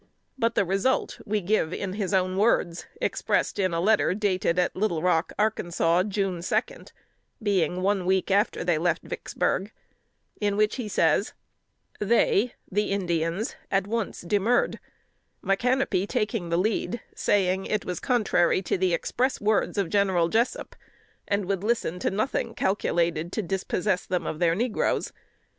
But the result we give in his own words, expressed in a letter dated at Little Rock, Arkansas, June second, being one week after they left Vicksburg, in which he says: "They (the Indians) at once demurred: Micanopy taking the lead, saying, it was contrary to the express words of General Jessup, and would listen to nothing calculated to dispossess them of their negroes.